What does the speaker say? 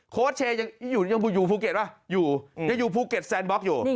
โค้ชเชย์ยังอยู่ภูเก็ตป่ะอยู่ยังอยู่ภูเก็ตแซนบล็อกอยู่